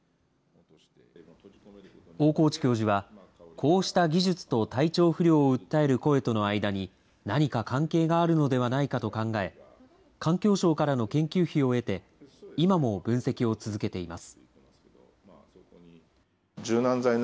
大河内教授は、こうした技術と体調不良を訴える声との間に、何か関係があるのではないかと考え、環境省からの研究費を得て、今も分析を続けています。